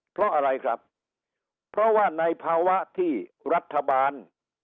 เพราะอะไรครับเพราะว่าในภาวะที่รัฐบาล